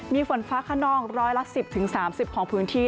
มีฝนฟ้าขนองร้อยละ๑๐๓๐ของพื้นที่